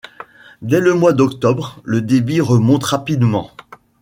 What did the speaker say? Dès le mois d'octobre, le débit remonte rapidement.